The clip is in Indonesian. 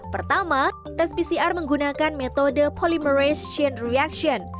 pertama tes pcr menggunakan metode polymerase chain reaction